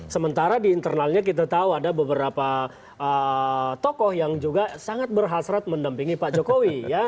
sementara di internalnya kita tahu ada beberapa tokoh yang juga sangat berhasrat mendampingi pak jokowi